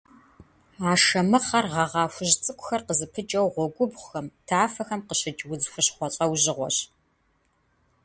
Ашэмыхъэр гъэгъа хужь цӏыкӏухэр къызыпыкӏэу гъуэгубгъухэм, тафэхэм къыщыкӏ удз хущхъуэ лӏэужьыгъуэщ.